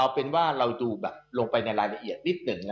เอาเป็นว่าเราดูแบบลงไปในรายละเอียดนิดหนึ่ง